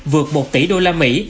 vượt một tỷ đô la mỹ